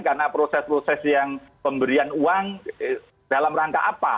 karena proses proses yang pemberian uang dalam rangka apa